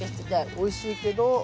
おいしいけど。